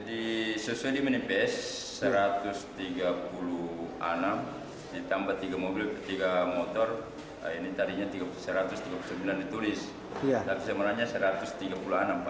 ini ps satu ratus tiga puluh enam ditambah tiga mobil tiga motor ini tadinya satu ratus tiga puluh sembilan ditulis tapi sebenarnya satu ratus tiga puluh enam pak